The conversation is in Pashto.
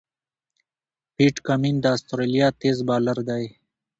پیټ کمېن د استرالیا تېز بالر دئ.